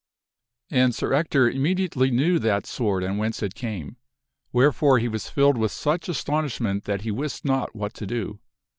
And Sir Ector immediately knew that sword and whence it came. Wherefore he was filled with such astonishment that he wist not what to do.